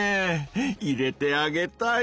入れてあげたい！